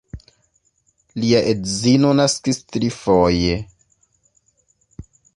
Lia edzino naskis trifoje.